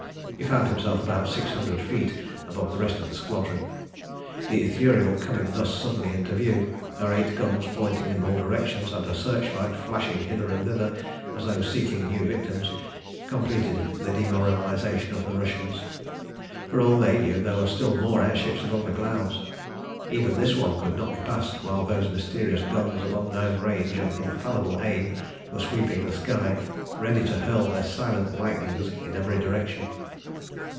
He found himself about six hundred feet above the rest of the squadron. The Ithuriel coming thus suddenly into view, her eight guns pointing in all directions, and her searchlight flashing hither and thither as though seeking new victims, completed the demoralisation of the Russians. For all they knew there were still more air ships above the clouds. Even this one could not be passed while those mysterious guns of unknown range and infallible aim were sweeping the sky, ready to hurl their silent lightnings in every direction.